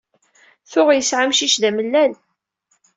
Tuɣ yesɛa amcic d amellal.